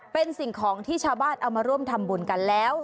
เป็นสิ่งของที่ชาวบ้านเอามาร่วมทำบุญกันแล้ว